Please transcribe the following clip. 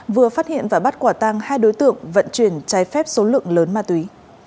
vừa phát hiện và bắt quả tăng hai đối tượng vận chuyển trái phép số lượng lớn ma túy